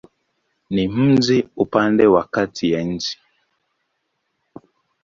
Ni mji upande wa kati ya nchi.